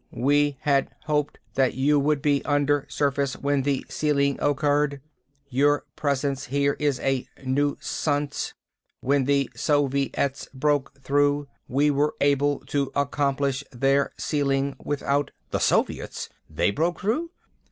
"We had hoped that you would be undersurface when the sealing occurred. Your presence here is a nuisance. When the Soviets broke through, we were able to accomplish their sealing without " "The Soviets? They broke through?"